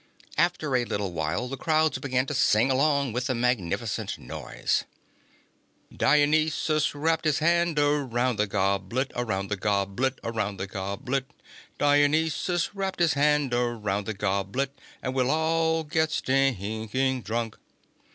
After a little while, the crowds began to sing along with the magnificent noise: "_Dionysus wrapped his hand around the goblet, Around the goblet around the goblet Dionysus wrapped his hand around the goblet, And we'll all get stinking drunk!